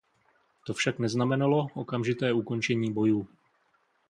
To však neznamenalo okamžité ukončení bojů.